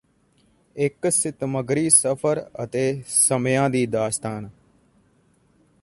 ਇਕ ਸਿੱਤਮਗਰੀ ਸਫਰ ਅਤੇ ਸਮਿਆਂ ਦੀ ਦਾਸਤਾਨ